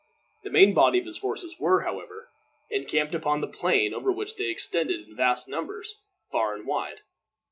The main body of his forces were, however, encamped upon the plain, over which they extended, in vast numbers, far and wide.